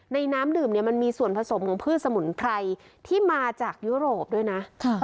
น้ำดื่มเนี่ยมันมีส่วนผสมของพืชสมุนไพรที่มาจากยุโรปด้วยนะ